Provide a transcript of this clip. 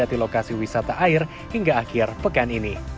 di lokasi wisata air hingga akhir pekan ini